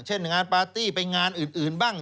เช่นงานปาร์ตี้ไปงานอื่นบ้าง